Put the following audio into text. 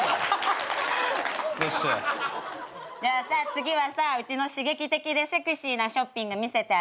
次はさうちの刺激的でセクシーなショッピング見せてあげる。